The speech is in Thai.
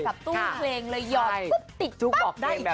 กลับตู้เครงเลยยอดกุ๊บติ๊กป้ะ